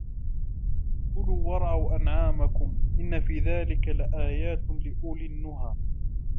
كلوا وارعوا أنعامكم إن في ذلك لآيات لأولي النهى